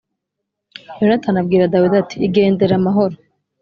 Yonatani abwira Dawidi ati “Igendere amahoro”